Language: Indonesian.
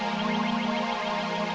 itu untuk si